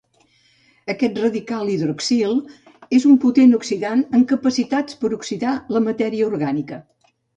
Aquest radical hidroxil és un potent oxidant amb capacitats per oxidar la matèria orgànica.